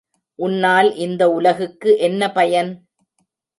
உன்னால் இந்த உலகுக்கு என்ன பயன்?